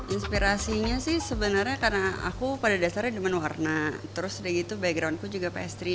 inspirasinya sih sebenarnya karena aku pada dasarnya dimana warna terus udah gitu backgroundku juga pastry